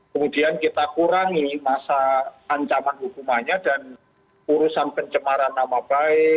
kemudian kita kurangi masa ancaman hukumannya dan urusan pencemaran nama baik